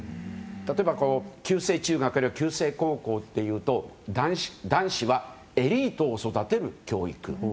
例えば旧制中学や旧制高校というと男子はエリートを育てる教育。